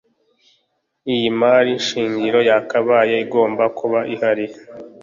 Iyi mari shingiro yakabaye igomba kuba ihari